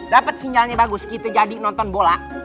dapat sinyalnya bagus kita jadi nonton bola